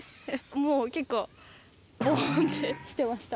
もう結構、ボーンってしてました。